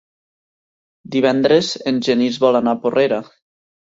Divendres en Genís vol anar a Porrera.